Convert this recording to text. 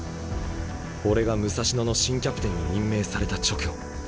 俺が武蔵野の新キャプテンに任命された直後。